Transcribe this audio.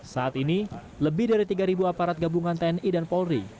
saat ini lebih dari tiga aparat gabungan tni dan polri